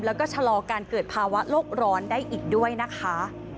แล้วก็ชะลอการเกิดภาวะโลกร้อนได้อีกด้วยนะคะ